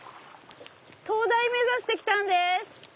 灯台目指してきたんです。